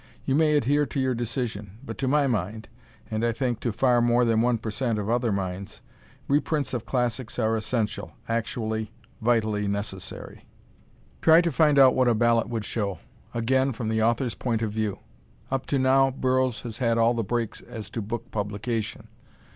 You may adhere to your decision, but, to my mind, and, I think to far more than 1% of other minds, reprints of classics are essential, actually vitally necessary. Try to find out what a ballot would show. Again, from the author's point of view. Up to now, Burroughs has had all the breaks as to book publication.